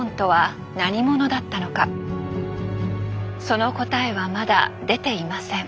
その答えはまだ出ていません。